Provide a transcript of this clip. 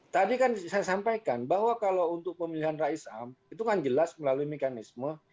tadi kan saya sampaikan bahwa kalau untuk pemilihan rais am itu kan jelas melalui mekanisme